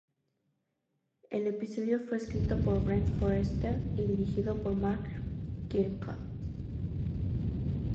El episodio fue escrito por Brent Forrester y dirigido por Mark Kirkland.